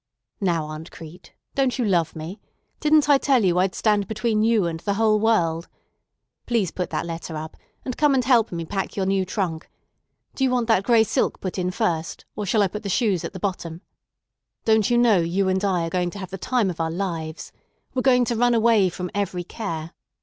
"Now, Aunt Crete, don't you love me? Didn't I tell you I'd stand between you and the whole world? Please put that letter up, and come and help me pack your new trunk. Do you want that gray silk put in first, or shall I put the shoes at the bottom? Don't you know you and I are going to have the time of our lives? We're going to run away from every care.